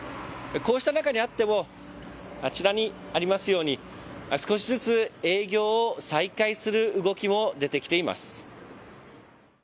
こうした中にあっても、あちらにありますように、少しずつ営業を再開する動きも出てきています。